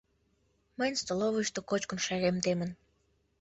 Мыйын столовойышто кочкын шерем темын.